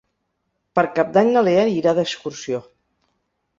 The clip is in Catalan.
Per Cap d'Any na Lea irà d'excursió.